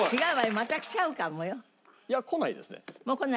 また来ちゃうかもよ。